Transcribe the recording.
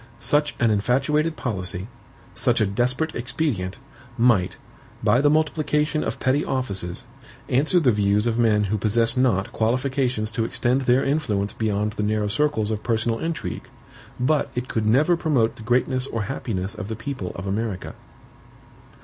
Such an infatuated policy, such a desperate expedient, might, by the multiplication of petty offices, answer the views of men who possess not qualifications to extend their influence beyond the narrow circles of personal intrigue, but it could never promote the greatness or happiness of the people of America.